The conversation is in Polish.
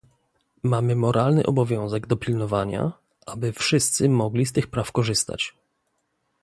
Mamy moralny obowiązek dopilnowania, aby wszyscy mogli z tych praw korzystać